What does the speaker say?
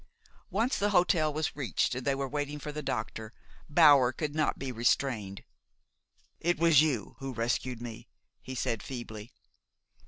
Once the hotel was reached, and they were waiting for the doctor, Bower could not be restrained. "It was you who rescued me?" he said feebly.